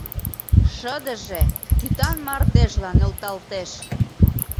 Шыдыже тӱтан мардежла нӧлталтеш.